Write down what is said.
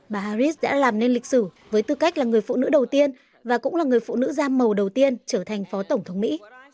bà harris đã làm nên lịch sử với tư cách là người phụ nữ đầu tiên và cũng là người phụ nữ da màu đầu tiên trở thành phó tổng thống mỹ